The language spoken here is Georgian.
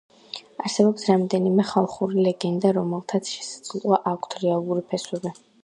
არსებობს რამდენიმე „ხალხური“ ლეგენდა, რომელთაც შესაძლოა აქვთ რეალური ფესვები.